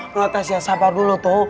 nona tasya sabar dulu toh